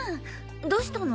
どうしたの？